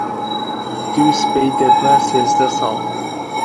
دووسبەی دەبمە سێزدە ساڵ.